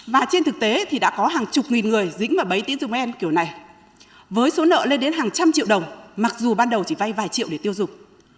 và trên thực tế thì đã có hàng chục nghìn người dính vào bấy tín dung em kiểu này với số nợ lên đến hàng trăm triệu đồng mặc dù ban đầu chỉ vay vài triệu để tiêu dục